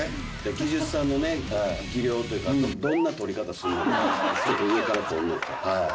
技術さんのね技量というかどんな撮り方するのか上から撮るのか。